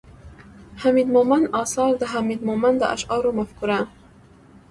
،حميد مومند اثار، د حميد مومند د اشعارو مفکوره